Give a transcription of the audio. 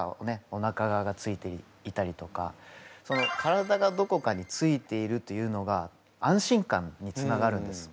おなか側がついていたりとか体がどこかについているというのが安心感につながるんです。